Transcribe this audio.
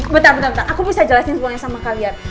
bentar bentar aku bisa jelasin semuanya sama kalian